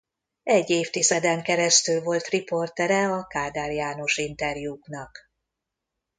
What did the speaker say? Egy évtizeden keresztül volt riportere a Kádár János-interjúknak.